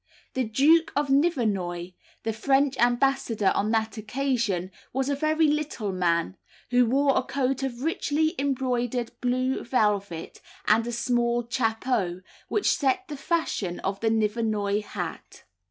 The duke of Nivernois, the French ambassador on that occasion, was a very little man, who wore a coat of richly embroidered blue velvet, and a small chapeau, which set the fashion of the Nivernois hat.